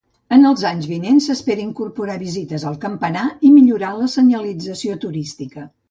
En els anys vinents s'espera incorporar visites al campanar i millorar la senyalització turística.